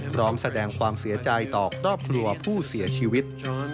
พร้อมแสดงความเสียใจต่อครอบครัวผู้เสียชีวิต